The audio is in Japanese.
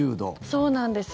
そうなんです